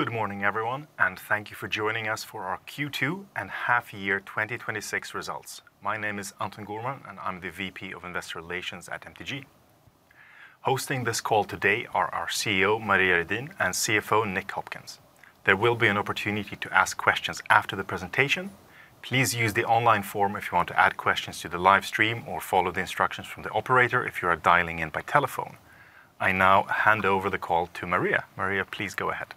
Good morning, everyone, and thank you for joining us for our Q2 and half-year 2026 results. My name is Anton Gourman, and I'm the VP of Investor Relations at MTG. Hosting this call today are our CEO, Maria Redin, and CFO, Nick Hopkins. There will be an opportunity to ask questions after the presentation. Please use the online form if you want to add questions to the live stream or follow the instructions from the operator if you are dialing in by telephone. I now hand over the call to Maria. Maria, please go ahead.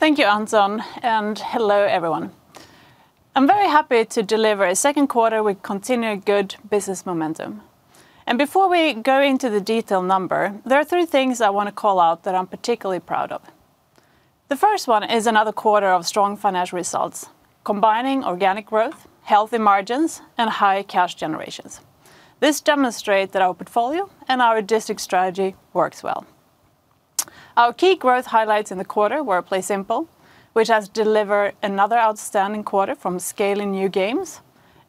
Thank you, Anton, and hello, everyone. I'm very happy to deliver a second quarter with continued good business momentum. Before we go into the detailed numbers, there are three things I want to call out that I'm particularly proud of. The first one is another quarter of strong financial results, combining organic growth, healthy margins, and high cash generations. This demonstrates that our portfolio and our district strategy works well. Our key growth highlights in the quarter were PlaySimple, which has delivered another outstanding quarter from scaling new games,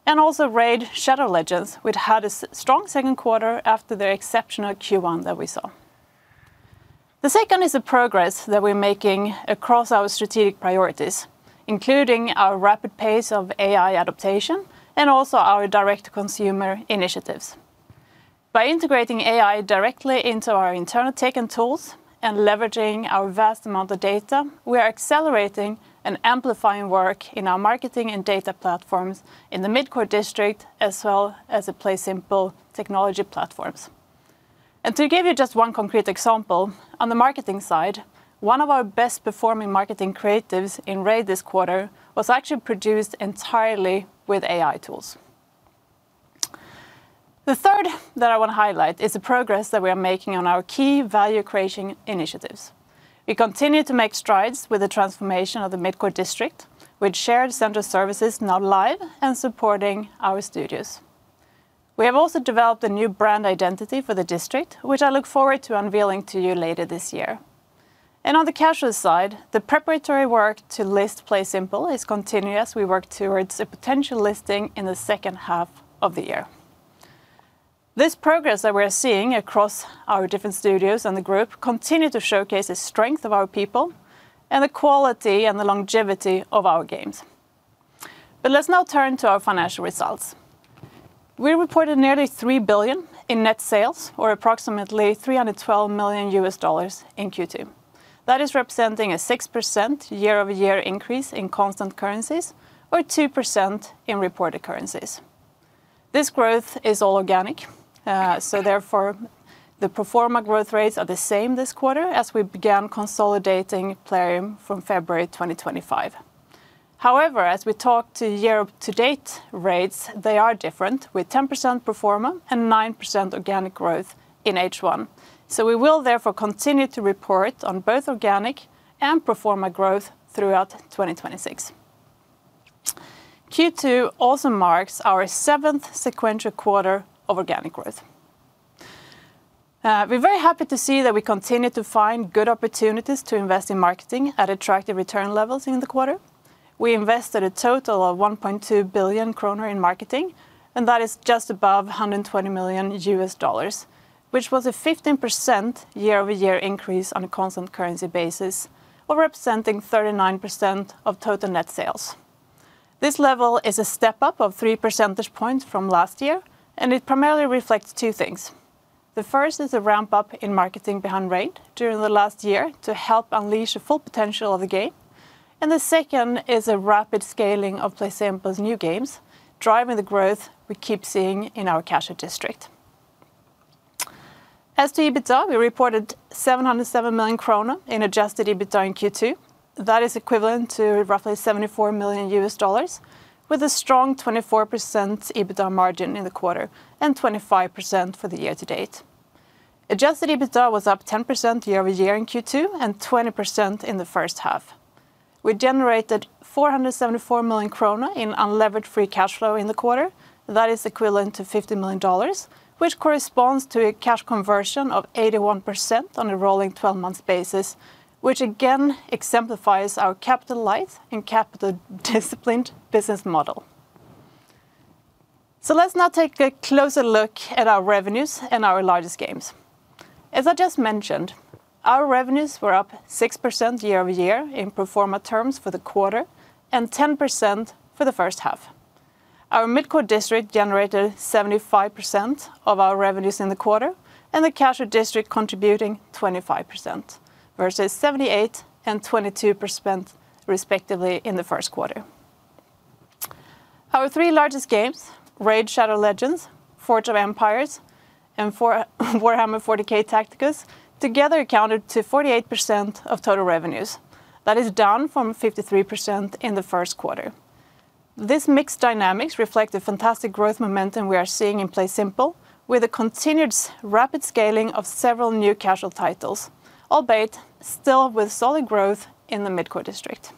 and also RAID: Shadow Legends, which had a strong second quarter after the exceptional Q1 that we saw. The second is the progress that we're making across our strategic priorities, including our rapid pace of AI adaptation and also our direct consumer initiatives. By integrating AI directly into our internal tech and tools and leveraging our vast amount of data, we are accelerating and amplifying work in our marketing and data platforms in the Midcore District, as well as the PlaySimple technology platforms. To give you just one concrete example, on the marketing side, one of our best-performing marketing creatives in RAID this quarter was actually produced entirely with AI tools. The third that I want to highlight is the progress that we are making on our key value-creation initiatives. We continue to make strides with the transformation of the Midcore District, with shared central services now live and supporting our studios. We have also developed a new brand identity for the district, which I look forward to unveiling to you later this year. On the Casual side, the preparatory work to list PlaySimple is continuing as we work towards a potential listing in the second half of the year. This progress that we're seeing across our different studios and the group continue to showcase the strength of our people and the quality and the longevity of our games. Let's now turn to our financial results. We reported nearly 3 billion in net sales, or approximately $312 million in Q2. That is representing a 6% year-over-year increase in constant currencies or 2% in reported currencies. This growth is all organic, so therefore the pro forma growth rates are the same this quarter as we began consolidating Plarium from February 2025. However, as we talk to year-to-date rates, they are different, with 10% pro forma and 9% organic growth in H1. We will therefore continue to report on both organic and pro forma growth throughout 2026. Q2 also marks our seventh sequential quarter of organic growth. We are very happy to see that we continue to find good opportunities to invest in marketing at attractive return levels in the quarter. We invested a total of 1.2 billion kronor in marketing, that is just above $120 million, which was a 15% year-over-year increase on a constant currency basis, representing 39% of total net sales. This level is a step-up of 3 percentage points from last year, it primarily reflects two things. The first is a ramp-up in marketing behind RAID during the last year to help unleash the full potential of the game, the second is a rapid scaling of PlaySimple's new games, driving the growth we keep seeing in our Casual District. As to EBITDA, we reported 707 million kronor in adjusted EBITDA in Q2. That is equivalent to roughly $74 million, with a strong 24% EBITDA margin in the quarter and 25% for the year-to-date. Adjusted EBITDA was up 10% year-over-year in Q2 and 20% in the first half. We generated 474 million krona in unlevered free cash flow in the quarter. That is equivalent to $50 million, which corresponds to a cash conversion of 81% on a rolling 12-month basis, which again exemplifies our capital light and capital disciplined business model. Let's now take a closer look at our revenues and our largest games. As I just mentioned, our revenues were up 6% year-over-year in pro forma terms for the quarter and 10% for the first half. Our Midcore District generated 75% of our revenues in the quarter, the Casual District contributing 25%, versus 78% and 22%, respectively, in the first quarter. Our three largest games, RAID: Shadow Legends, Forge of Empires, and Warhammer 40,000: Tacticus, together accounted to 48% of total revenues. That is down from 53% in the first quarter. This mixed dynamics reflect the fantastic growth momentum we are seeing in PlaySimple with a continued rapid scaling of several new Casual titles, albeit still with solid growth in the Midcore District.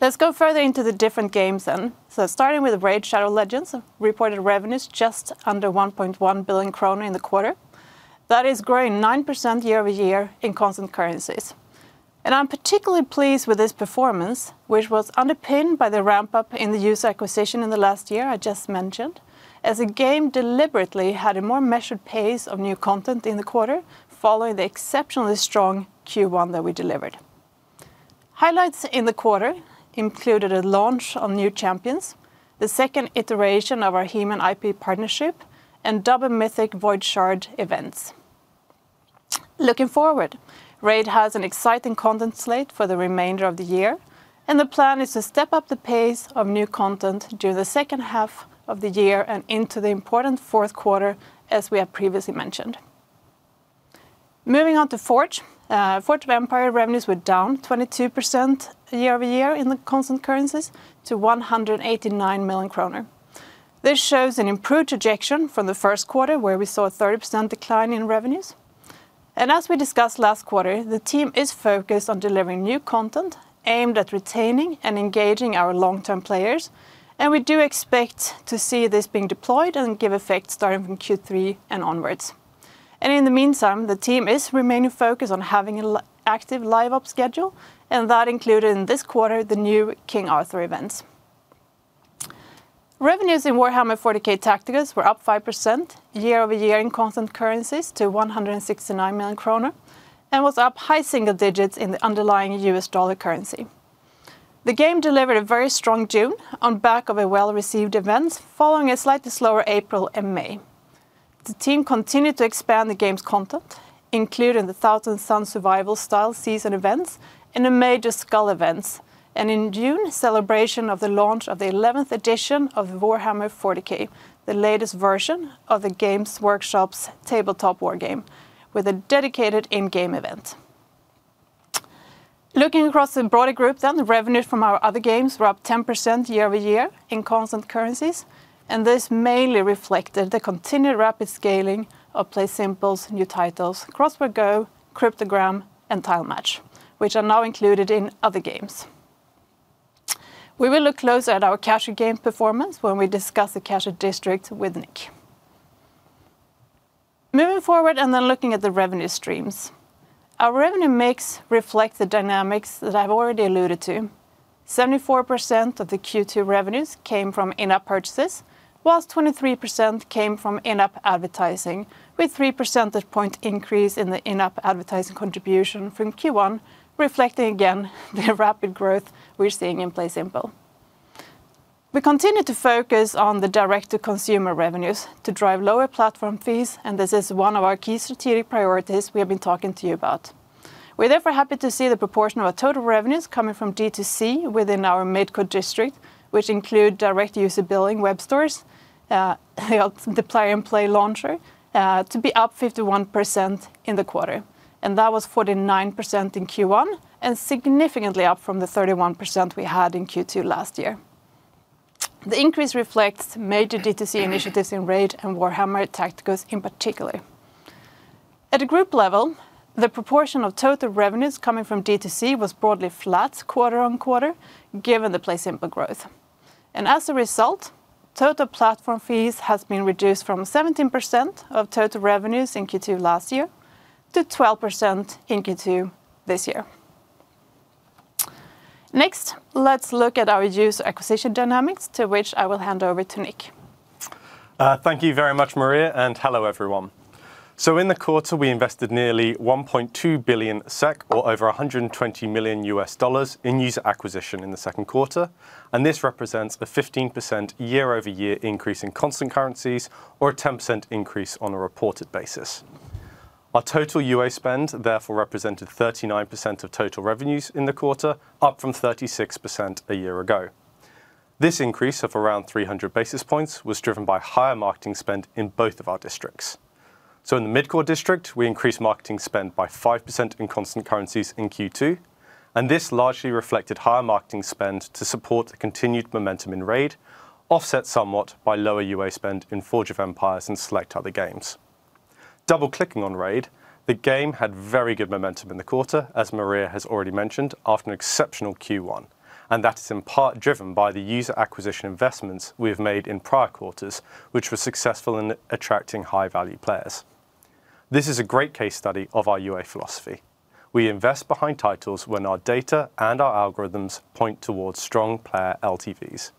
Let's go further into the different games then. Starting with RAID: Shadow Legends, reported revenues just under 1.1 billion krona in the quarter. That is growing 9% year-over-year in constant currencies. I am particularly pleased with this performance, which was underpinned by the ramp-up in the user acquisition in the last year I just mentioned, as the game deliberately had a more measured pace of new content in the quarter, following the exceptionally strong Q1 that we delivered. Highlights in the quarter included a launch on New Champions, the second iteration of our He-Man IP partnership, double Mythic Void Shard events. Looking forward, RAID has an exciting content slate for the remainder of the year, the plan is to step up the pace of new content during the second half of the year and into the important fourth quarter, as we have previously mentioned. Moving on to Forge. Forge of Empires revenues were down 22% year-over-year in the constant currencies to 189 million kronor. This shows an improved [trajectory] from the first quarter, where we saw a 30% decline in revenues. As we discussed last quarter, the team is focused on delivering new content aimed at retaining and engaging our long-term players, and we do expect to see this being deployed and give effect starting from Q3 and onwards. In the meantime, the team is remaining focused on having an active live-op schedule, and that included, in this quarter, the new King Arthur events. Revenues in Warhammer 40,000: Tacticus were up 5% year-over-year in constant currencies to 169 million kronor, and was up high single digits in the underlying U.S. dollar currency. The game delivered a very strong June on back of a well-received event, following a slightly slower April and May. The team continued to expand the game's content, including the Thousand Sons Survival-style season events and a major skull events. In June, celebration of the launch of the 11th edition of Warhammer 40,000, the latest version of the Games Workshop's tabletop war game with a dedicated in-game event. Looking across the broader group then, the revenues from our other games were up 10% year-over-year in constant currencies, and this mainly reflected the continued rapid scaling of PlaySimple's new titles, Crossword Go!, Cryptogram, and Tile Match, which are now included in other games. We will look closer at our Casual game performance when we discuss the Casual District with Nick. Moving forward, then looking at the revenue streams. Our revenue mix reflect the dynamics that I've already alluded to. 74% of the Q2 revenues came from in-app purchases, whilst 23% came from in-app advertising, with 3 percentage point increase in the in-app advertising contribution from Q1, reflecting again the rapid growth we're seeing in PlaySimple. We continue to focus on the direct-to-consumer revenues to drive lower platform fees, and this is one of our key strategic priorities we have been talking to you about. We're therefore happy to see the proportion of our total revenues coming from D2C within our Midcore District, which include direct user billing web stores, the Plarium Play launcher, to be up 51% in the quarter, and that was 49% in Q1 and significantly up from the 31% we had in Q2 last year. The increase reflects major D2C initiatives in RAID and Warhammer Tacticus in particular. At a group level, the proportion of total revenues coming from D2C was broadly flat quarter-on-quarter, given the PlaySimple growth. As a result, total platform fees has been reduced from 17% of total revenues in Q2 last year to 12% in Q2 this year. Next, let's look at our user acquisition dynamics, to which I will hand over to Nick. Thank you very much, Maria, and hello, everyone. In the quarter, we invested nearly 1.2 billion SEK, or over $120 million in user acquisition in the second quarter, and this represents a 15% year-over-year increase in constant currencies or a 10% increase on a reported basis. Our total UA spend therefore represented 39% of total revenues in the quarter, up from 36% a year ago. This increase of around 300 basis points was driven by higher marketing spend in both of our districts. In the Midcore District, we increased marketing spend by 5% in constant currencies in Q2, and this largely reflected higher marketing spend to support the continued momentum in RAID, offset somewhat by lower UA spend in Forge of Empires and select other games. Double-clicking on RAID, the game had very good momentum in the quarter, as Maria has already mentioned, after an exceptional Q1, and that is in part driven by the user acquisition investments we have made in prior quarters, which were successful in attracting high-value players. This is a great case study of our UA philosophy. We invest behind titles when our data and our algorithms point towards strong player LTVs.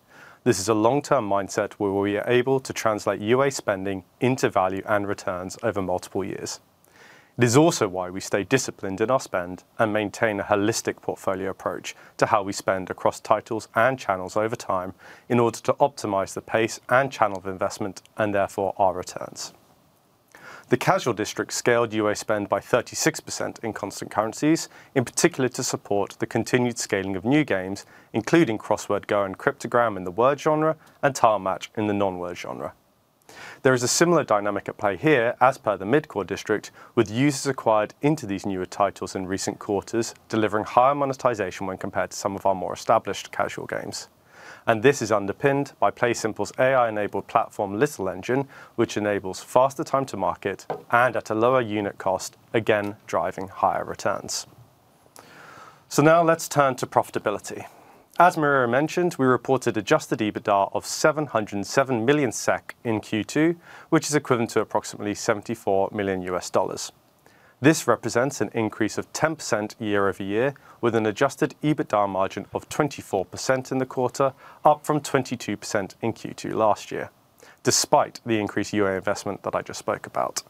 It is a long-term mindset where we are able to translate UA spending into value and returns over multiple years. It is also why we stay disciplined in our spend and maintain a holistic portfolio approach to how we spend across titles and channels over time in order to optimize the pace and channel of investment, and therefore our returns. The Casual District scaled UA spend by 36% in constant currencies, in particular to support the continued scaling of new games, including Crossword Go! and Cryptogram in the word genre, and Tile Match in the non-word genre. There is a similar dynamic at play here as per the Midcore District, with users acquired into these newer titles in recent quarters, delivering higher monetization when compared to some of our more established Casual games. This is underpinned by PlaySimple's AI-enabled platform, Little Engine, which enables faster time to market and at a lower unit cost, again, driving higher returns. Now let's turn to profitability. As Maria mentioned, we reported adjusted EBITDA of 707 million SEK in Q2, which is equivalent to approximately $74 million. This represents an increase of 10% year-over-year, with an adjusted EBITDA margin of 24% in the quarter, up from 22% in Q2 last year, despite the increased UA investment that I just spoke about.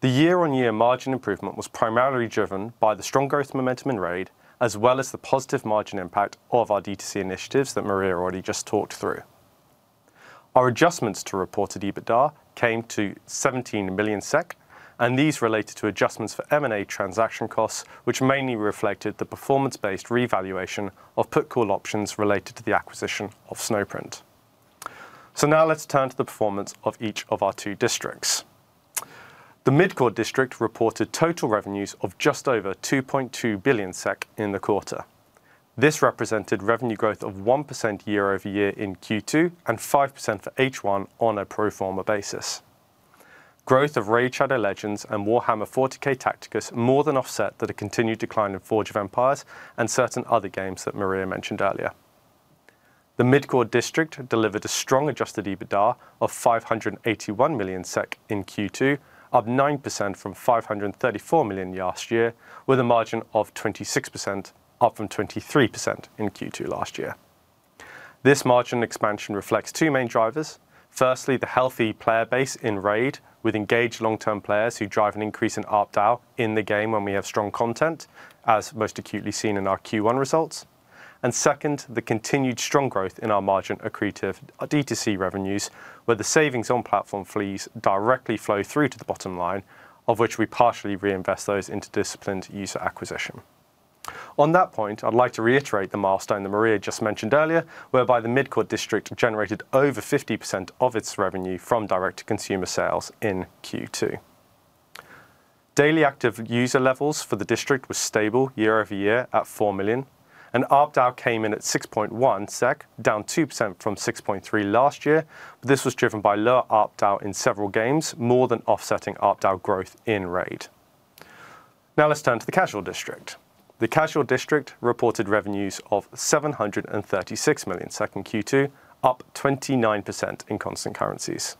The year-on-year margin improvement was primarily driven by the strong growth momentum in RAID, as well as the positive margin impact of our D2C initiatives that Maria already just talked through. Our adjustments to reported EBITDA came to 17 million SEK, and these related to adjustments for M&A transaction costs, which mainly reflected the performance-based revaluation of put call options related to the acquisition of Snowprint. Now let's turn to the performance of each of our two districts. The Midcore District reported total revenues of just over 2.2 billion SEK in the quarter. This represented revenue growth of 1% year-over-year in Q2 and 5% for H1 on a pro forma basis. Growth of RAID: Shadow Legends and Warhammer 40,000: Tacticus more than offset the continued decline in Forge of Empires and certain other games that Maria mentioned earlier. The Midcore District delivered a strong adjusted EBITDA of 581 million SEK in Q2, up 9% from 534 million last year, with a margin of 26%, up from 23% in Q2 last year. This margin expansion reflects two main drivers. Firstly, the healthy player base in RAID, with engaged long-term players who drive an increase in ARPDAU in the game when we have strong content, as most acutely seen in our Q1 results. Second, the continued strong growth in our margin accretive D2C revenues, where the savings on platform fees directly flow through to the bottom line, of which we partially reinvest those into disciplined user acquisition. On that point, I'd like to reiterate the milestone that Maria just mentioned earlier, whereby the Midcore District generated over 50% of its revenue from direct-to-consumer sales in Q2. Daily active user levels for the district were stable year-over-year at 4 million, and ARPDAU came in at 6.1 SEK, down 2% from 6.3 last year, this was driven by lower ARPDAU in several games, more than offsetting ARPDAU growth in RAID. Let's turn to the Casual District. The Casual District reported revenues of 736 million in Q2, up 29% in constant currencies.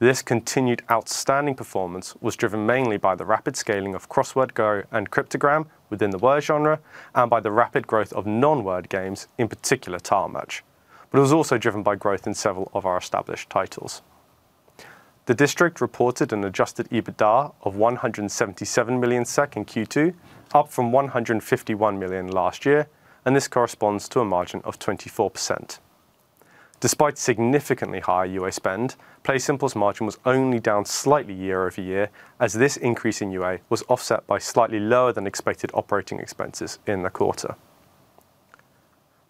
This continued outstanding performance was driven mainly by the rapid scaling of Crossword Go! and Cryptogram within the word genre and by the rapid growth of non-word games, in particular Tile Match, it was also driven by growth in several of our established titles. The district reported an adjusted EBITDA of 177 million SEK in Q2, up from 151 million last year, this corresponds to a margin of 24%. Despite significantly higher UA spend, PlaySimple's margin was only down slightly year-over-year as this increase in UA was offset by slightly lower than expected operating expenses in the quarter.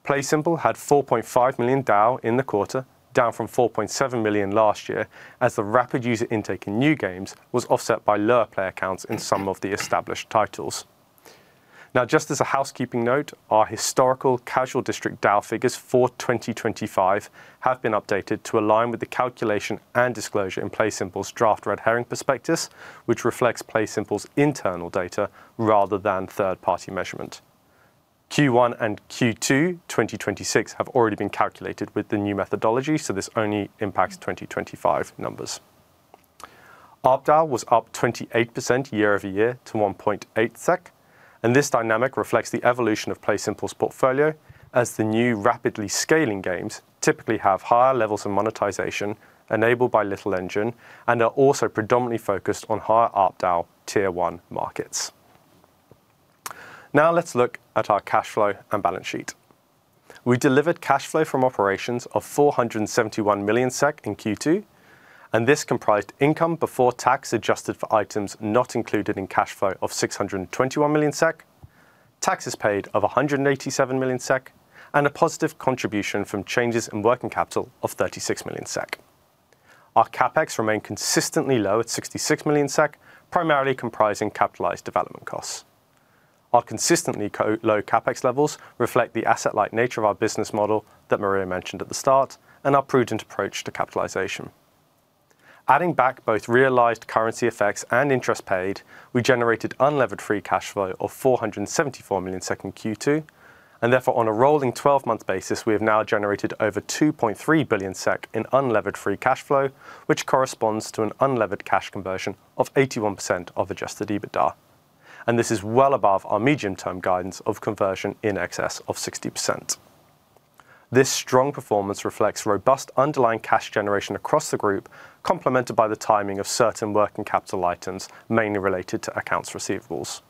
PlaySimple had 4.5 million DAU in the quarter, down from 4.7 million last year, as the rapid user intake in new games was offset by lower player counts in some of the established titles. Just as a housekeeping note, our historical Casual District DAU figures for 2025 have been updated to align with the calculation and disclosure in PlaySimple's Draft Red Herring Prospectus, which reflects PlaySimple's internal data rather than third-party measurement. Q1 and Q2 2026 have already been calculated with the new methodology, so this only impacts 2025 numbers. ARPDAU was up 28% year-over-year to 1.8 SEK, this dynamic reflects the evolution of PlaySimple's portfolio as the new rapidly scaling games typically have higher levels of monetization enabled by Little Engine and are also predominantly focused on higher ARPDAU tier 1 markets. Let's look at our cash flow and balance sheet. We delivered cash flow from operations of 471 million SEK in Q2, this comprised income before tax adjusted for items not included in cash flow of 621 million SEK, taxes paid of 187 million SEK, a positive contribution from changes in working capital of 36 million SEK. Our CapEx remained consistently low at 66 million SEK, primarily comprising capitalized development costs. Our consistently low CapEx levels reflect the asset-light nature of our business model that Maria mentioned at the start and our prudent approach to capitalization. Adding back both realized currency effects and interest paid, we generated unlevered free cash flow of 474 million in Q2. Therefore, on a rolling 12-month basis, we have now generated over 2.3 billion SEK in unlevered free cash flow, which corresponds to an unlevered cash conversion of 81% of adjusted EBITDA. This is well above our medium-term guidance of conversion in excess of 60%. This strong performance reflects robust underlying cash generation across the group, complemented by the timing of certain working capital items, mainly related to accounts receivables.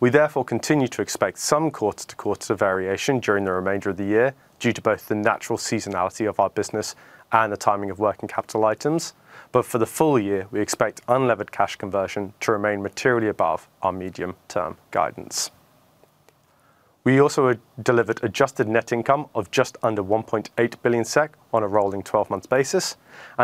We therefore continue to expect some quarter-to-quarter variation during the remainder of the year due to both the natural seasonality of our business and the timing of working capital items. For the full year, we expect unlevered cash conversion to remain materially above our medium-term guidance. We also delivered adjusted net income of just under 1.8 billion SEK on a rolling 12-month basis.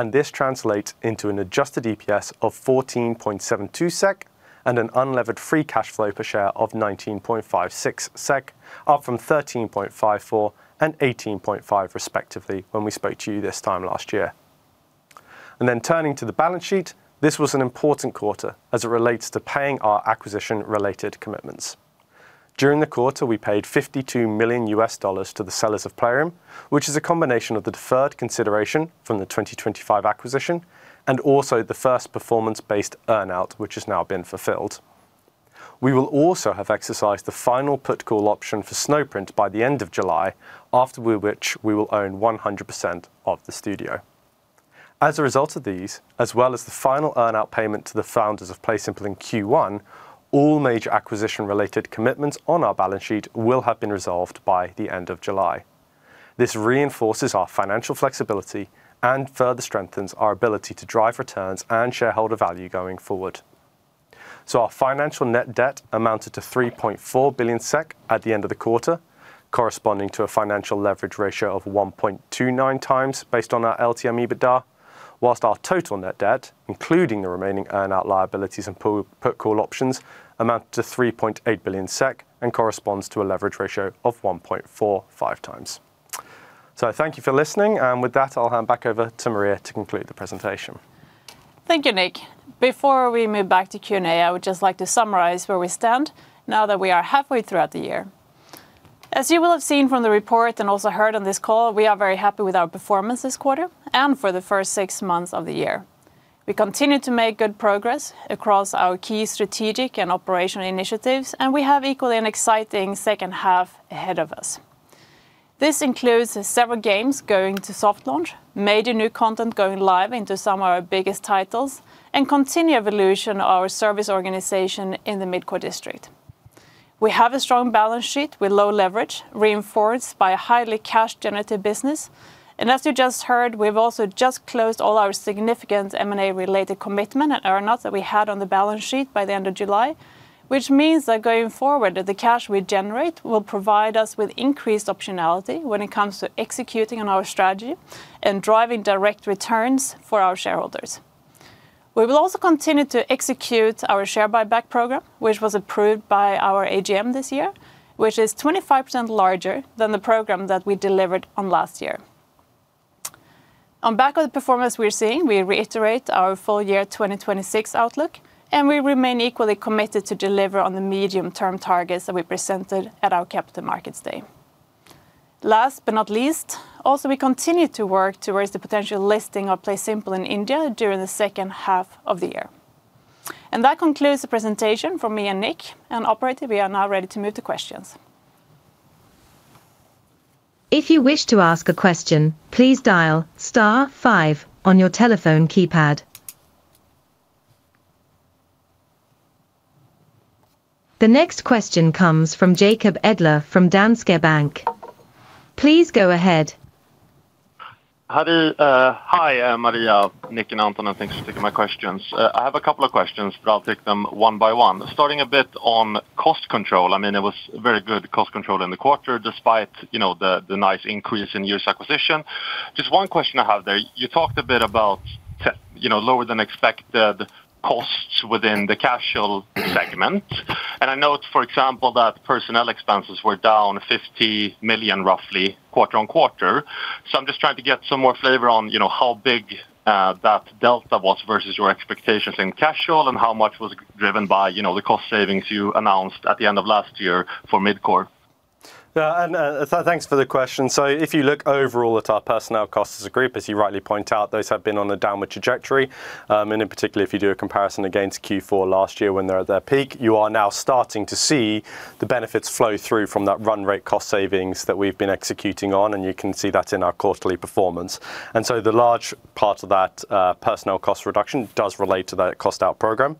This translates into an adjusted EPS of 14.72 SEK and an unlevered free cash flow per share of 19.56 SEK, up from 13.54 and 18.5 respectively when we spoke to you this time last year. Turning to the balance sheet, this was an important quarter as it relates to paying our acquisition-related commitments. During the quarter, we paid $52 million to the sellers of Plarium, which is a combination of the deferred consideration from the 2025 acquisition and also the first performance-based earn-out, which has now been fulfilled. We will also have exercised the final put call option for Snowprint by the end of July, after which we will own 100% of the studio. As a result of these, as well as the final earn-out payment to the founders of PlaySimple in Q1, all major acquisition-related commitments on our balance sheet will have been resolved by the end of July. This reinforces our financial flexibility and further strengthens our ability to drive returns and shareholder value going forward. Our financial net debt amounted to 3.4 billion SEK at the end of the quarter, corresponding to a financial leverage ratio of 1.29x based on our LTM EBITDA, whilst our total net debt, including the remaining earn-out liabilities and put call options, amounted to 3.8 billion SEK and corresponds to a leverage ratio of 1.45x. Thank you for listening. With that, I'll hand back over to Maria to conclude the presentation. Thank you, Nick. Before we move back to Q&A, I would just like to summarize where we stand now that we are halfway throughout the year. As you will have seen from the report and also heard on this call, we are very happy with our performance this quarter and for the first six months of the year. We continue to make good progress across our key strategic and operational initiatives. We have equally an exciting second half ahead of us. This includes several games going to soft launch, major new content going live into some of our biggest titles, and continued evolution of the service organization in the Midcore District. We have a strong balance sheet with low leverage, reinforced by a highly cash generative business. As you just heard, we've also just closed all our significant M&A-related commitment and earn-outs that we had on the balance sheet by the end of July, which means that going forward, the cash we generate will provide us with increased optionality when it comes to executing on our strategy and driving direct returns for our shareholders. We will also continue to execute our share buyback program, which was approved by our AGM this year, which is 25% larger than the program that we delivered on last year. On the back of the performance we're seeing, we reiterate our full-year 2026 outlook, and we remain equally committed to deliver on the medium-term targets that we presented at our Capital Markets Day. Last but not least, we continue to work towards the potential listing of PlaySimple in India during the second half of the year. That concludes the presentation from me and Nick. Operator, we are now ready to move to questions. If you wish to ask a question, please dial star five on your telephone keypad. The next question comes from Jacob Edler from Danske Bank. Please go ahead. Hi, Maria, Nick, and Anton, thanks for taking my questions. I have a couple of questions, I'll take them one by one. Starting a bit on cost control. It was very good cost control in the quarter despite the nice increase in user acquisition. Just one question I have there. You talked a bit about lower than expected costs within the Casual segment, I note, for example, that personnel expenses were down 50 million roughly quarter-on-quarter. I'm just trying to get some more flavor on how big that delta was versus your expectations in Casual and how much was driven by the cost savings you announced at the end of last year for Midcore. Thanks for the question. If you look overall at our personnel costs as a group, as you rightly point out, those have been on a downward trajectory. In particular, if you do a comparison against Q4 last year when they're at their peak, you are now starting to see the benefits flow through from that run rate cost savings that we've been executing on, and you can see that in our quarterly performance. The large part of that personnel cost reduction does relate to that cost out program.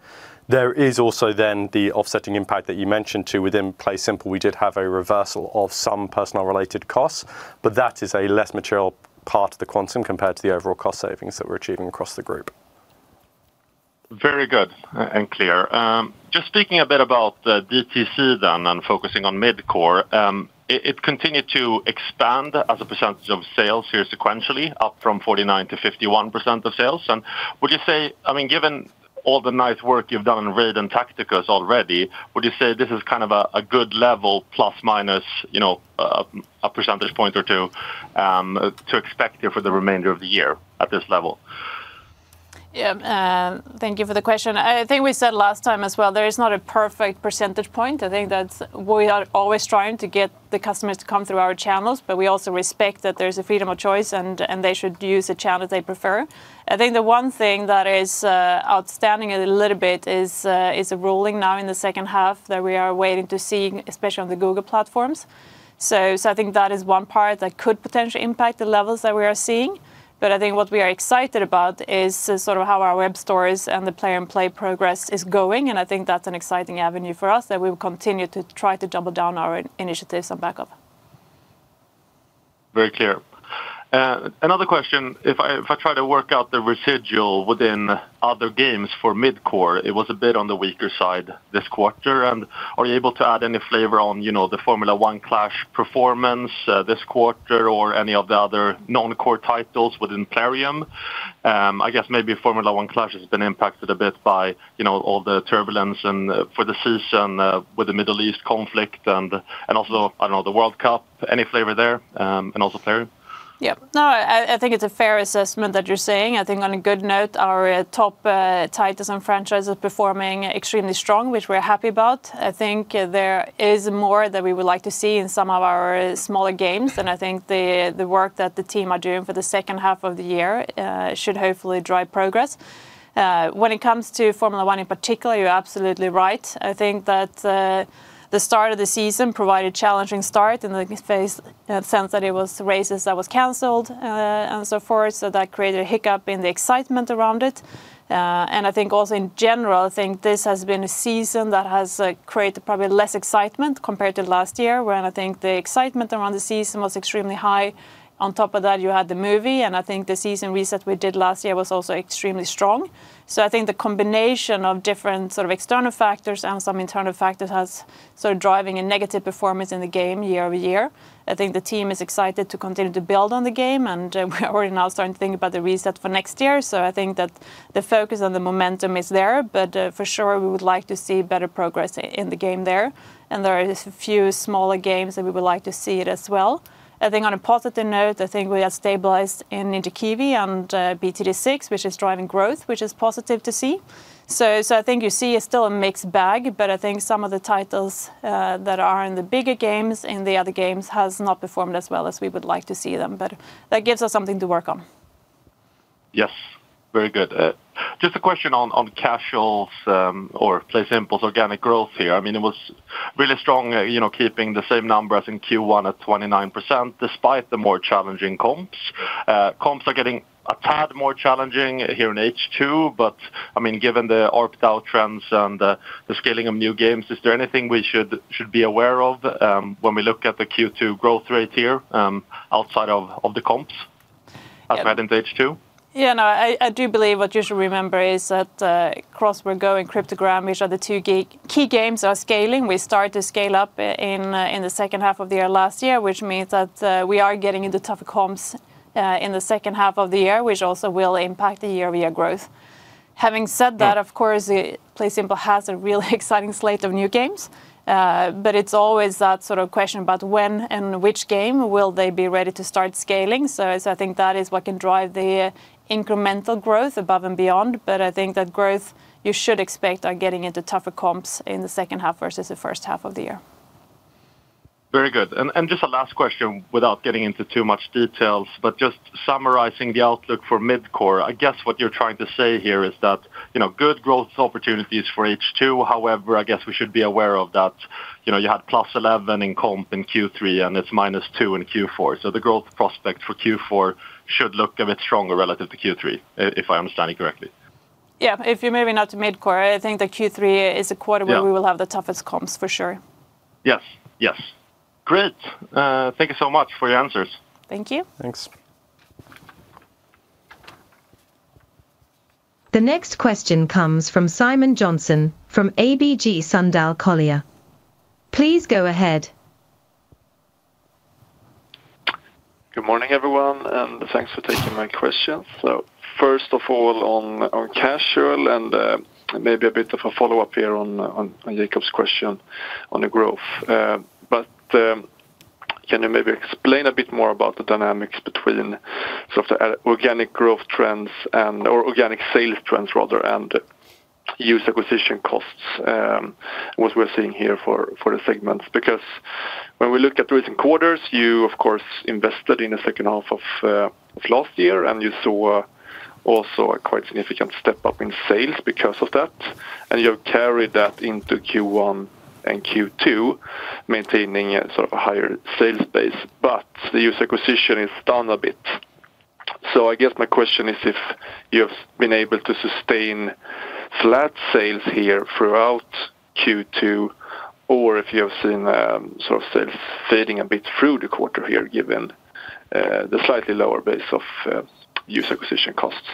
There is also the offsetting impact that you mentioned, too, within PlaySimple. We did have a reversal of some personnel-related costs, but that is a less material part of the quantum compared to the overall cost savings that we're achieving across the group. Very good and clear. Just speaking a bit about the DTC then and focusing on Midcore. It continued to expand as a percentage of sales here sequentially up from 49%-51% of sales. Would you say, given all the nice work you've done on RAID and Tacticus already, would you say this is kind of a good level ±1 percentage point or ±2 percentage points, to expect here for the remainder of the year at this level? Thank you for the question. I think we said last time as well, there is not a perfect percentage point. I think that we are always trying to get the customers to come through our channels, but we also respect that there's a freedom of choice, and they should use the channel they prefer. I think the one thing that is outstanding a little bit is a ruling now in the second half that we are waiting to see, especially on the Google platforms. I think that is one part that could potentially impact the levels that we are seeing. I think what we are excited about is sort of how our web stores and the Plarium Play progress is going, and I think that's an exciting avenue for us that we will continue to try to double down our initiatives on. Very clear. Another question, if I try to work out the residual within other games for Midcore, it was a bit on the weaker side this quarter. Are you able to add any flavor on the F1 Clash performance this quarter or any of the other non-core titles within Plarium? I guess maybe F1 Clash has been impacted a bit by all the turbulence and for the season with the Middle East conflict and also, I don't know, the World Cup. Any flavor there? Yeah. No, I think it's a fair assessment that you're saying. I think on a good note, our top titles and franchises performing extremely strong, which we're happy about. I think there is more that we would like to see in some of our smaller games than I think the work that the team are doing for the second half of the year should hopefully drive progress. When it comes to F1 in particular, you're absolutely right. I think that the start of the season provided a challenging start in the sense that it was races that was canceled and so forth. That created a hiccup in the excitement around it. I think also in general, I think this has been a season that has created probably less excitement compared to last year, when I think the excitement around the season was extremely high. On top of that, you had the movie, I think the season reset we did last year was also extremely strong. I think the combination of different sort of external factors and some internal factors has driving a negative performance in the game year-over-year. I think the team is excited to continue to build on the game, we are already now starting to think about the reset for next year. I think that the focus on the momentum is there, but for sure, we would like to see better progress in the game there. There are a few smaller games that we would like to see it as well. I think on a positive note, I think we are stabilized in Ninja Kiwi and BTD 6, which is driving growth, which is positive to see. I think you see it's still a mixed bag, I think some of the titles that are in the bigger games and the other games has not performed as well as we would like to see them. That gives us something to work on. Yes. Very good. Just a question on Casual or PlaySimple's organic growth here. It was really strong keeping the same number as in Q1 at 29%, despite the more challenging comps. Comps are getting a tad more challenging here in H2, given the ARPDAU trends and the scaling of new games, is there anything we should be aware of when we look at the Q2 growth rate here outside of the comps as added in H2? I do believe what you should remember is that Crossword Go! and Cryptogram, which are the two key games are scaling. We started to scale up in the second half of the year last year, which means that we are getting into tougher comps in the second half of the year, which also will impact the year-over-year growth. Having said that, of course, PlaySimple has a really exciting slate of new games, but it's always that sort of question about when and which game will they be ready to start scaling. I think that is what can drive the incremental growth above and beyond. I think that growth you should expect are getting into tougher comps in the second half versus the first half of the year. Very good. Just a last question, without getting into too much details, but just summarizing the outlook for Midcore. I guess what you're trying to say here is that good growth opportunities for H2. However, I guess we should be aware of that you had +11% in comp in Q3, and it's -2% in Q4. The growth prospect for Q4 should look a bit stronger relative to Q3, if I understand it correctly. Yeah. If you're moving out to Midcore, I think that Q3 is a quarter- Yeah. where we will have the toughest comps for sure. Yes. Great. Thank you so much for your answers. Thank you. Thanks. The next question comes from Simon Jönsson from ABG Sundal Collier. Please go ahead. Good morning, everyone, and thanks for taking my question. First of all, on Casual and maybe a bit of a follow-up here on Jacob's question on the growth. Can you maybe explain a bit more about the dynamics between sort of the organic growth trends and/or organic sales trends rather, and user acquisition costs, what we're seeing here for the segments? When we look at recent quarters, you, of course, invested in the second half of last year, and you saw also a quite significant step-up in sales because of that, and you have carried that into Q1 and Q2, maintaining a sort of a higher sales base. The user acquisition is down a bit. I guess my question is if you have been able to sustain flat sales here throughout Q2 or if you have seen sort of sales fading a bit through the quarter here, given the slightly lower base of user acquisition costs.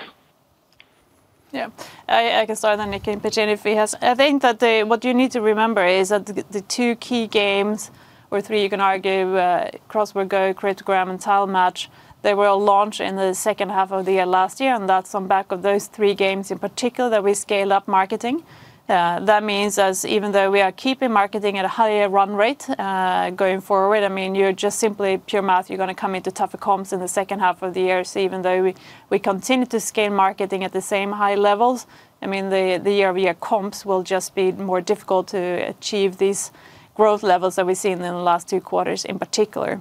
I can start on it, Nick, but then if he has I think that what you need to remember is that the two key games, or three you can argue, Crossword Go!, Cryptogram, and Tile Match, they were all launched in the second half of the year last year, and that's on back of those three games in particular that we scale up marketing. That means as even though we are keeping marketing at a higher run rate going forward, you're just simply pure math, you're going to come into tougher comps in the second half of the year. Even though we continue to scale marketing at the same high levels, the year-over-year comps will just be more difficult to achieve these growth levels that we've seen in the last two quarters in particular.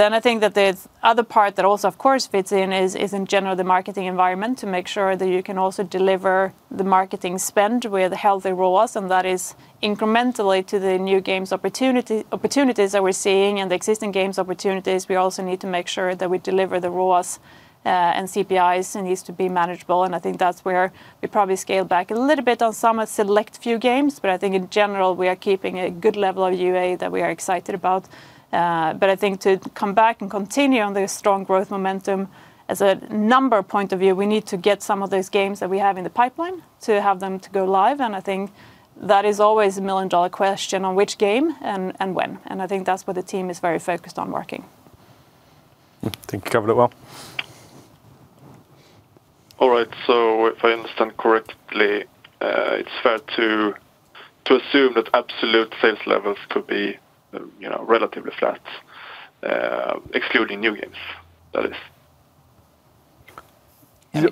I think that the other part that also of course fits in is in general the marketing environment to make sure that you can also deliver the marketing spend with healthy ROAS, and that is incrementally to the new games opportunities that we're seeing and the existing games opportunities. We also need to make sure that we deliver the ROAS and CPIs needs to be manageable, and I think that's where we probably scale back a little bit on some select few games. I think in general, we are keeping a good level of UA that we are excited about. I think to come back and continue on the strong growth momentum as a number point of view, we need to get some of those games that we have in the pipeline to have them to go live, and I think that is always the million-dollar question on which game and when. I think that's what the team is very focused on working. I think you covered it well. All right. If I understand correctly, it's fair to assume that absolute sales levels could be relatively flat, excluding new games, that is. Yeah.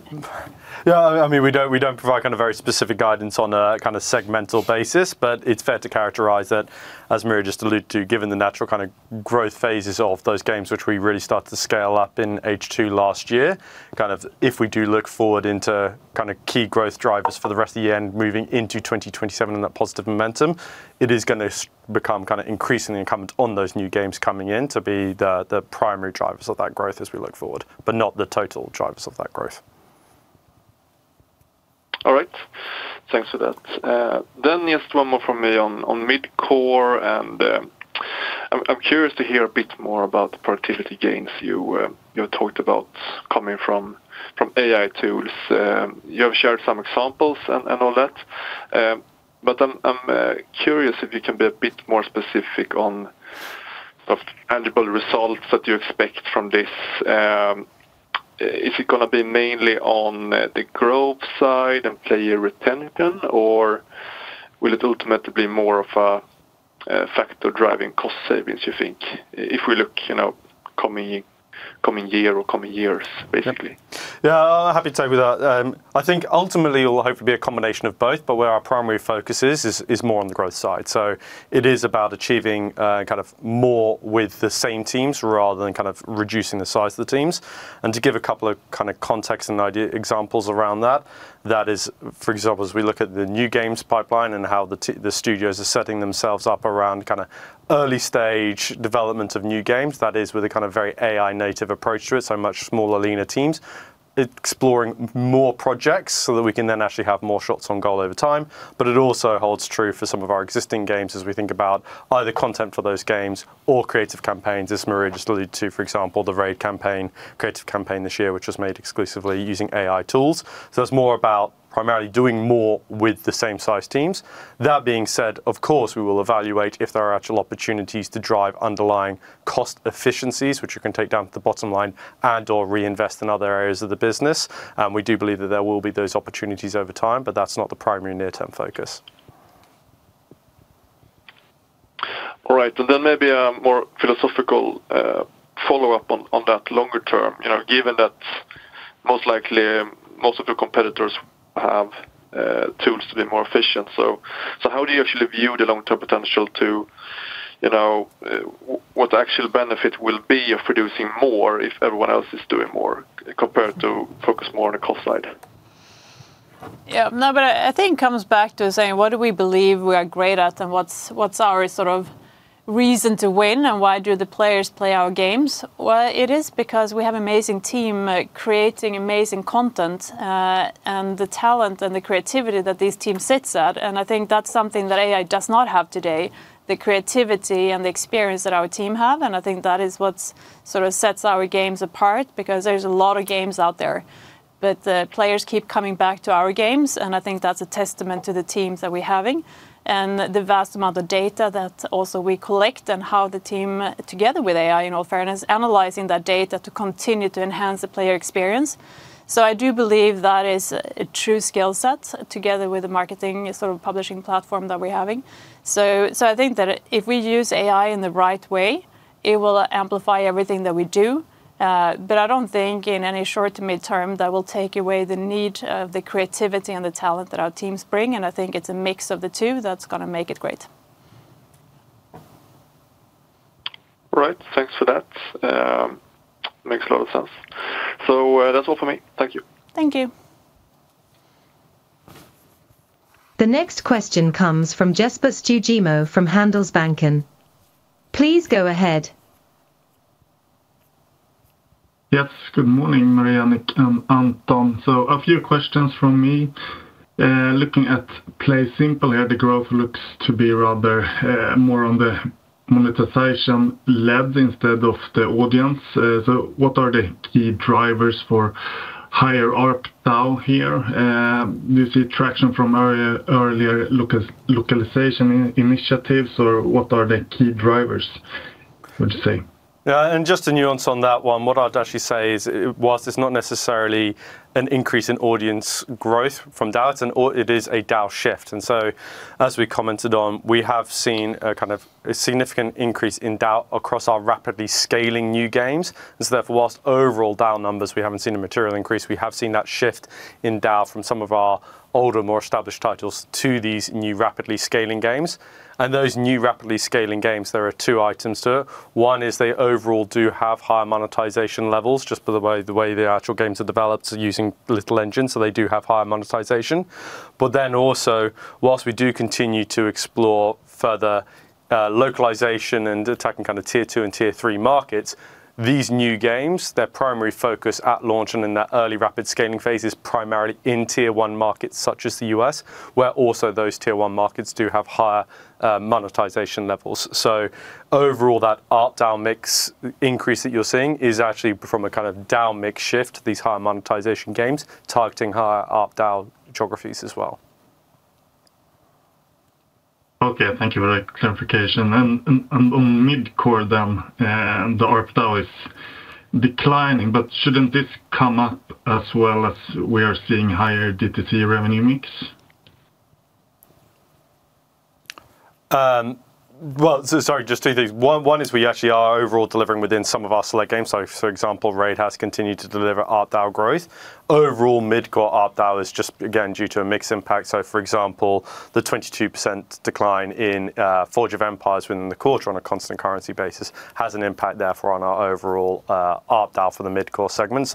We don't provide very specific guidance on a segmental basis, but it's fair to characterize that, as Maria just alluded to, given the natural growth phases of those games, which we really started to scale up in H2 last year. If we do look forward into key growth drivers for the rest of the year and moving into 2027 and that positive momentum, it is going to become increasingly incumbent on those new games coming in to be the primary drivers of that growth as we look forward, but not the total drivers of that growth. All right. Thanks for that. Just one more from me on Midcore, and I'm curious to hear a bit more about the productivity gains you talked about coming from AI tools. You have shared some examples and all that, but I'm curious if you can be a bit more specific on tangible results that you expect from this. Is it going to be mainly on the growth side and player retention, or will it ultimately be more of a factor driving cost savings, you think, if we look coming year or coming years, basically? Happy to take that. Ultimately it will hopefully be a combination of both, but where our primary focus is more on the growth side. It is about achieving more with the same teams, rather than reducing the size of the teams. To give a couple of context and idea examples around that is, for example, as we look at the new games pipeline and how the studios are setting themselves up around early-stage development of new games, that is with a very AI-native approach to it, much smaller, leaner teams exploring more projects so that we can then actually have more shots on goal over time. It also holds true for some of our existing games as we think about either content for those games or creative campaigns, as Maria just alluded to, for example, the RAID creative campaign this year, which was made exclusively using AI tools. It's more about primarily doing more with the same size teams. That being said, of course, we will evaluate if there are actual opportunities to drive underlying cost efficiencies, which we can take down to the bottom line and/or reinvest in other areas of the business. We do believe that there will be those opportunities over time, but that's not the primary near-term focus. All right. Then maybe a more philosophical follow-up on that longer term. Given that most likely, most of your competitors have tools to be more efficient. How do you actually view the long-term potential to what the actual benefit will be of producing more if everyone else is doing more, compared to focus more on the cost side? I think it comes back to saying what do we believe we are great at, what's our reason to win, why do the players play our games? It is because we have amazing team creating amazing content, the talent and the creativity that this team sits at, I think that's something that AI does not have today, the creativity and the experience that our team have, I think that is what sort of sets our games apart, because there's a lot of games out there. The players keep coming back to our games, I think that's a testament to the teams that we're having and the vast amount of data that also we collect and how the team, together with AI, in all fairness, analyzing that data to continue to enhance the player experience. I do believe that is a true skill set together with the marketing publishing platform that we're having. I think that if we use AI in the right way, it will amplify everything that we do. I don't think in any short to mid-term that will take away the need of the creativity and the talent that our teams bring, and I think it's a mix of the two that's going to make it great. All right. Thanks for that. Makes a lot of sense. That's all for me. Thank you. Thank you. The next question comes from Jesper Stugemo from Handelsbanken. Please go ahead. Yes. Good morning, Maria, Nick, and Anton. A few questions from me. Looking at PlaySimple here, the growth looks to be rather more on the monetization led instead of the audience. What are the key drivers for higher ARPDAU here? Do you see traction from earlier localization initiatives, or what are the key drivers, would you say? Yeah, just to nuance on that one, what I'd actually say is whilst it's not necessarily an increase in audience growth from DAU, it is a DAU shift. As we commented on, we have seen a significant increase in DAU across our rapidly scaling new games. Therefore, whilst overall DAU numbers we haven't seen a material increase, we have seen that shift in DAU from some of our older, more established titles to these new rapidly scaling games. Those new rapidly scaling games, there are two items to it. One is they overall do have higher monetization levels, just by the way the actual games are developed using Little Engine, so they do have higher monetization. Also, whilst we do continue to explore further localization and attacking tier 2 and tier 3 markets, these new games, their primary focus at launch and in that early rapid scaling phase is primarily in tier 1 markets such as the U.S., where also those tier 1 markets do have higher monetization levels. Overall, that ARPDAU mix increase that you're seeing is actually from a kind of DAU mix shift to these higher monetization games targeting higher ARPDAU geographies as well. Okay, thank you for that clarification. On Midcore then, the ARPDAU is declining, but shouldn't this come up as well as we are seeing higher D2C revenue mix? Sorry, just two things. One is we actually are overall delivering within some of our select games. For example, RAID has continued to deliver ARPDAU growth. Overall Midcore ARPDAU is just, again, due to a mix impact. For example, the 22% decline in Forge of Empires within the quarter on a constant currency basis has an impact therefore on our overall ARPDAU for the Midcore segment.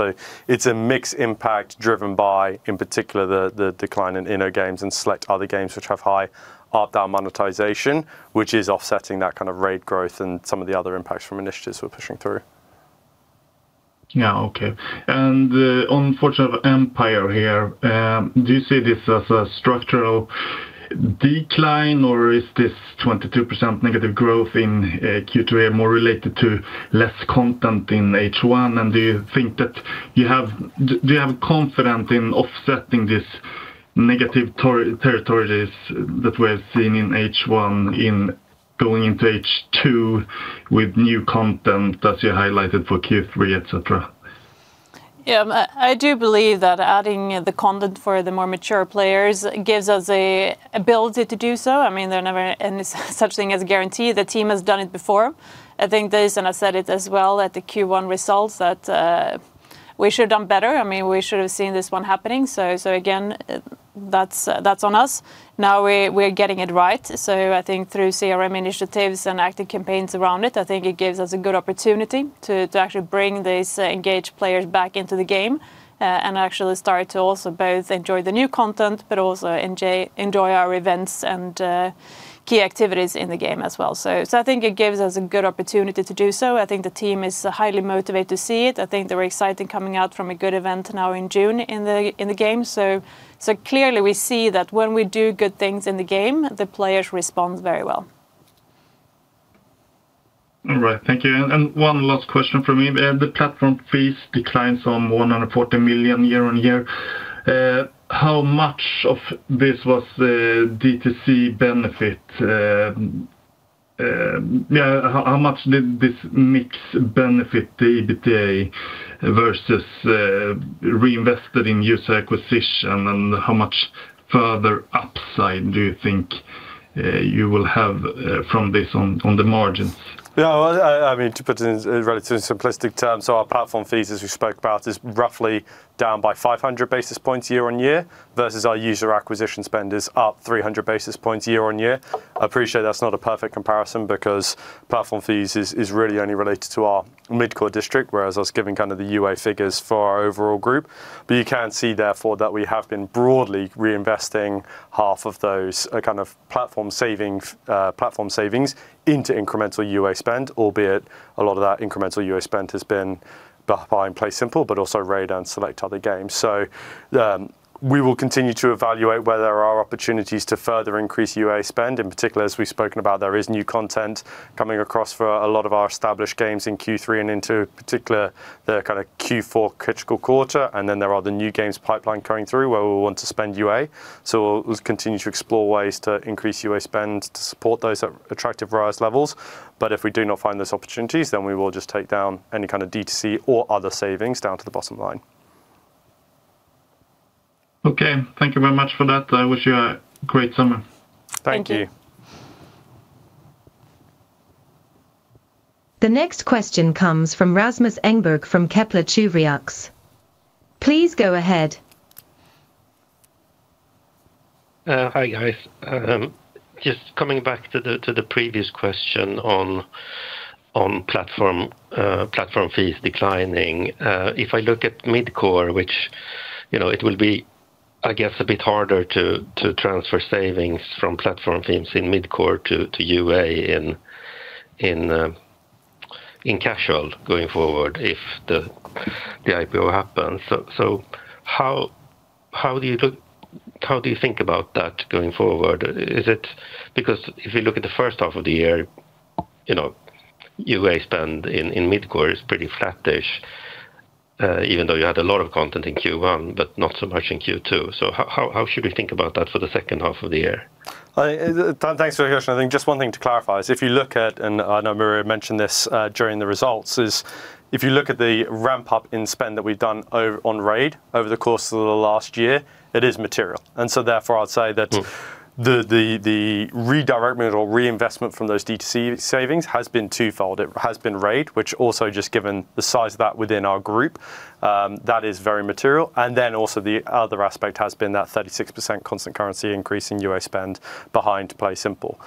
It's a mix impact driven by, in particular, the decline in InnoGames and select other games which have high ARPDAU monetization, which is offsetting that kind of RAID growth and some of the other impacts from initiatives we're pushing through. On Forge of Empires here, do you see this as a structural decline or is this 22% negative growth in Q2 here more related to less content in H1? Do you have confidence in offsetting these negative territories that we have seen in H1 in going into H2 with new content as you highlighted for Q3, et cetera? I do believe that adding the content for the more mature players gives us a ability to do so. There's never any such thing as guarantee. The team has done it before. I think this, and I said it as well at the Q1 results, that we should've done better. We should have seen this one happening. Again, that's on us. Now we're getting it right. I think through CRM initiatives and active campaigns around it, I think it gives us a good opportunity to actually bring these engaged players back into the game, and actually start to also both enjoy the new content but also enjoy our events and key activities in the game as well. I think it gives us a good opportunity to do so. I think the team is highly motivated to see it. I think they're excited coming out from a good event now in June in the game. Clearly we see that when we do good things in the game, the players respond very well. All right. Thank you. One last question from me. The platform fees declines from 140 million year-on-year. How much of this was D2C benefit? How much did this mix benefit the EBITDA versus reinvested in user acquisition, and how much further upside do you think you will have from this on the margins? To put it in relatively simplistic terms, Our platform fees, as we spoke about, is roughly down by 500 basis points year-on-year, versus our user acquisition spend is up 300 basis points year-on-year. I appreciate that's not a perfect comparison because platform fees is really only related to our Midcore District, whereas I was giving kind of the UA figures for our overall group. You can see therefore that we have been broadly reinvesting half of those platform savings into incremental UA spend, albeit a lot of that incremental UA spend has been behind PlaySimple, but also RAID and select other games. We will continue to evaluate where there are opportunities to further increase UA spend. In particular, as we've spoken about, there is new content coming across for a lot of our established games in Q3 and into particular the Q4 critical quarter. There are other new games pipeline coming through where we'll want to spend UA. We'll continue to explore ways to increase UA spend to support those attractive ROAS levels. If we do not find those opportunities, we will just take down any kind of D2C or other savings down to the bottom line. Okay. Thank you very much for that. I wish you a great summer. Thank you. Thank you. The next question comes from Rasmus Engberg from Kepler Cheuvreux. Please go ahead. Hi, guys. Just coming back to the previous question on platform fees declining. If I look at Midcore, which it will be, I guess, a bit harder to transfer savings from platform teams in Midcore to UA in Casual going forward if the IPO happens. How do you think about that going forward? If you look at the first half of the year, UA spend in Midcore is pretty flat-ish. Even though you had a lot of content in Q1, but not so much in Q2. How should we think about that for the second half of the year? Thanks for the question. I think just one thing to clarify is if you look at, and I know Maria mentioned this during the results, is if you look at the ramp-up in spend that we've done on RAID over the course of the last year, it is material. Therefore I'd say that the redirectment or reinvestment from those D2C savings has been twofold. It has been RAID, which also just given the size of that within our group, that is very material. The other aspect has been that 36% constant currency increase in UA spend behind PlaySimple.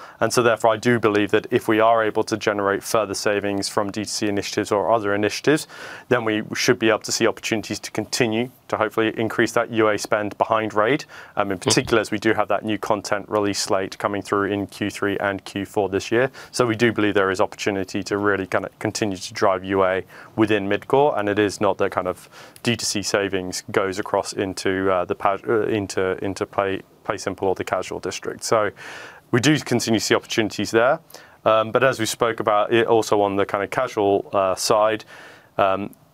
Therefore, I do believe that if we are able to generate further savings from D2C initiatives or other initiatives, then we should be able to see opportunities to continue to hopefully increase that UA spend behind RAID. In particular, as we do have that new content release slate coming through in Q3 and Q4 this year. We do believe there is opportunity to really continue to drive UA within Midcore, and it is not that D2C savings goes across into PlaySimple or the Casual District. We do continue to see opportunities there. As we spoke about it also on the Casual side,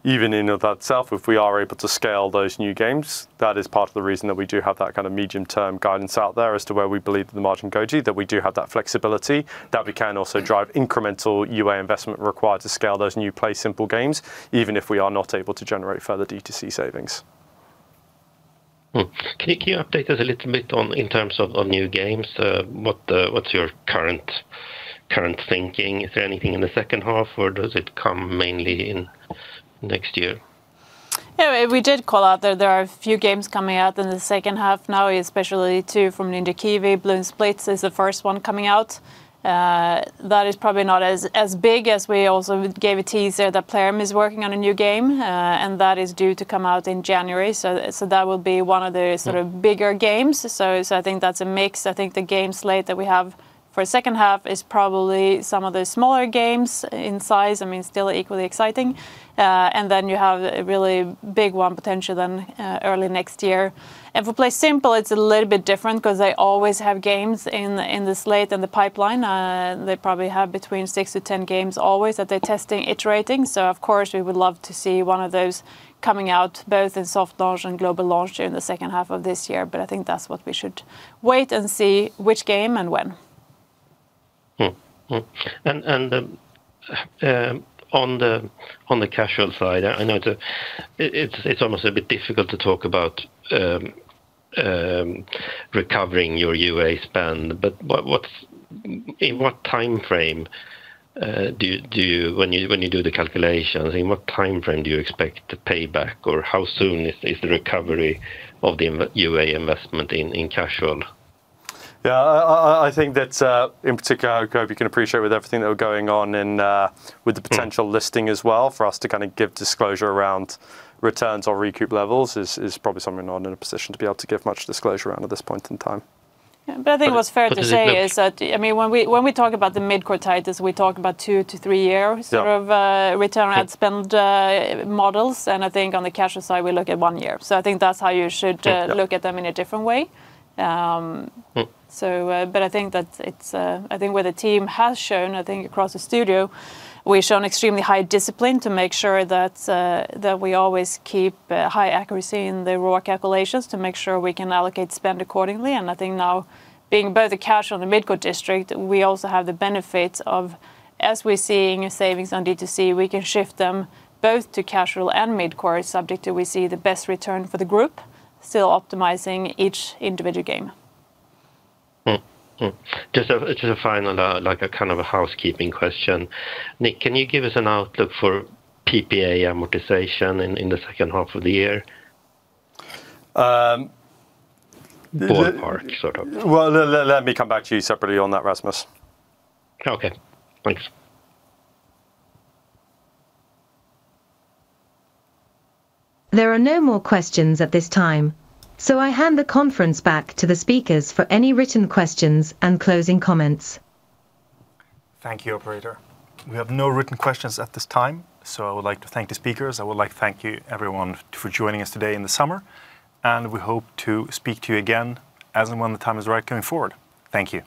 even in of that itself, if we are able to scale those new games, that is part of the reason that we do have that medium term guidance out there as to where we believe the margin go to, that we do have that flexibility, that we can also drive incremental UA investment required to scale those new PlaySimple games, even if we are not able to generate further D2C savings. Can you update us a little bit in terms of new games? What's your current thinking? Is there anything in the second half or does it come mainly in next year? Yeah, we did call out that there are a few games coming out in the second half now, especially two from Ninja Kiwi. Bloons Blitz is the first one coming out. That is probably not as big as we also gave a teaser that Plarium is working on a new game, and that is due to come out in January. That will be one of the sort of bigger games. I think that's a mix. I think the game slate that we have for the second half is probably some of the smaller games in size. I mean, still equally exciting. Then you have a really big one potentially then early next year. For PlaySimple, it's a little bit different because they always have games in the slate, in the pipeline. They probably have between 6-10 games always that they're testing, iterating. Of course, we would love to see one of those coming out, both in soft launch and global launch during the second half of this year, I think that's what we should wait and see which game and when. On the Casual side, I know it's almost a bit difficult to talk about recovering your UA spend, in what time frame, when you do the calculations, in what time frame do you expect to pay back or how soon is the recovery of the UA investment in Casual? Yeah, I think that in particular, I hope you can appreciate with everything that was going on and with the potential listing as well for us to kind of give disclosure around returns or recoup levels is probably something we're not in a position to be able to give much disclosure around at this point in time. I think what's fair to say is that when we talk about the Midcore titles, we talk about two to three- Yeah. sort of return on ad spend models, and I think on the Casual side, we look at one year. I think that's how you should- Yeah. look at them in a different way. I think where the team has shown, I think across the studio, we've shown extremely high discipline to make sure that we always keep high accuracy in the raw calculations to make sure we can allocate spend accordingly, and I think now being both a Casual and Midcore District, we also have the benefit of, as we're seeing savings on D2C, we can shift them both to Casual and Midcore subject that we see the best return for the group still optimizing each individual game. Just a final kind of a housekeeping question. Nick, can you give us an outlook for PPA amortization in the second half of the year? Um- Ballpark, sort of. Well, let me come back to you separately on that, Rasmus. Okay. Thanks. There are no more questions at this time, so I hand the conference back to the speakers for any written questions and closing comments. Thank you, operator. We have no written questions at this time, so I would like to thank the speakers. I would like to thank you, everyone, for joining us today in the summer, and we hope to speak to you again as and when the time is right coming forward. Thank you